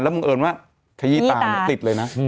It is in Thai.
บังเอิญว่าขยี้ตาติดเลยนะ